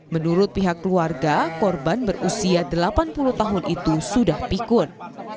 menurut pihak keluarga korban berusia delapan puluh tahun itu sudah pikun